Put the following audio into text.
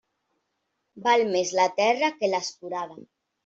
Val més la terra que l'escurada.